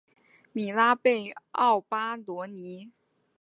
米拉贝奥巴罗涅。